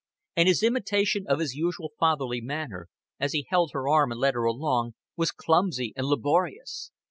And his imitation of his usual fatherly manner, as he held her arm and led her along, was clumsy and laborious.